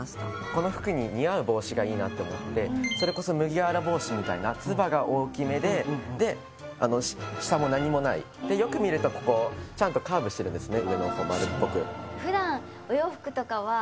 この服に似合う帽子がいいなって思ってそれこそ麦わら帽子みたいなツバが大きめでで下も何にもないでよく見るとここちゃんとカーブしてるんですね